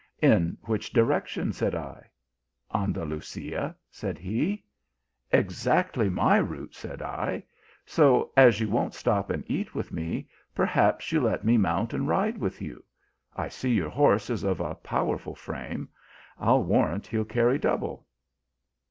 " In which direction ? said I. " Andalusia, said he. " Exactly my route, said I. So as you won t stop and eat with me, perhaps you ll let me mount and ride with you. I see your horse is of a powerful frame : I ll warrant he ll carry double.